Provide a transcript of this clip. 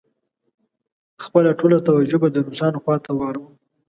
خپله ټوله توجه به د روسانو خواته واړوم.